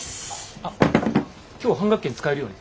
あっ今日半額券使えるよね？